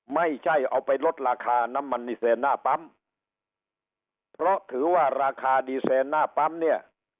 ไม่ใช่เอาไปลดราคาน้ำมันดีเซนหน้าปั๊มเพราะถือว่าราคาดีเซนหน้าปั๊มเนี่ย